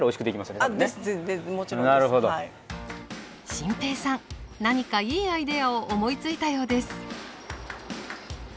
心平さん何かいいアイデアを思いついたようです。